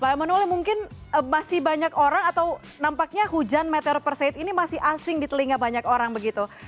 pak emanuli mungkin masih banyak orang atau nampaknya hujan meteor perseit ini masih asing di telinga banyak orang begitu